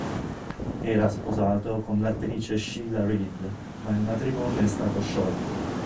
Era sposato con l'attrice Sheila Reid ma il matrimonio è stato sciolto.